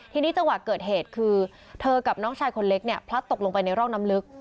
ทีนี้จังหวะเกิดเหตุคือเธอกับน้องชายคนเล็กเนี่ยพลัดตกลงไปในร่องน้ำลึก